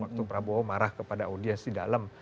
waktu prabowo marah kepada audiens di dalam